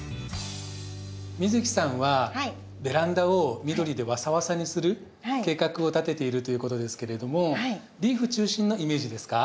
美月さんはベランダを緑でワサワサにする計画を立てているということですけれどもリーフ中心のイメージですか？